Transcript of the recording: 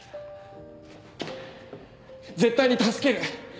絶対に助ける。